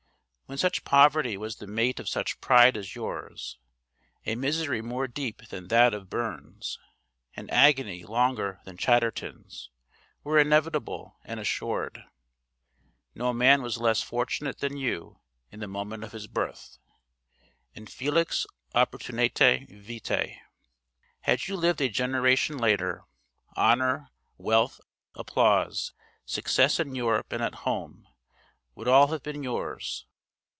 When such poverty was the mate of such pride as yours, a misery more deep than that of Burns, an agony longer than Chatterton's, were inevitable and assured. No man was less fortunate than you in the moment of his birth infelix opportunitate vitae. Had you lived a generation later, honour, wealth, applause, success in Europe and at home, would all have been yours.